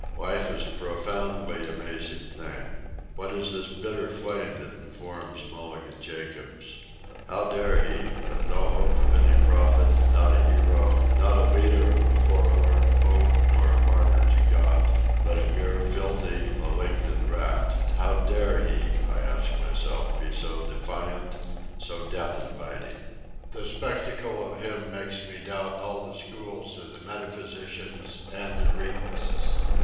Life is a profoundly amazing thing. What is this bitter flame that informs Mulligan Jacobs? How dare he—with no hope of any profit, not a hero, not a leader of a forlorn hope nor a martyr to God, but a mere filthy, malignant rat—how dare he, I ask myself, be so defiant, so death inviting? The spectacle of him makes me doubt all the schools of the metaphysicians and the realists.